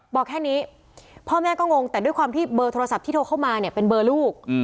บอกแค่นี้พ่อแม่ก็งงแต่ด้วยความที่เบอร์โทรศัพท์ที่โทรเข้ามาเนี่ยเป็นเบอร์ลูก